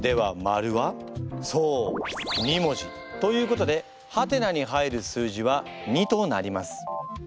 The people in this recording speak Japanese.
ということで「？」に入る数字は２となります。